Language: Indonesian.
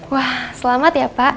wah selamat ya pak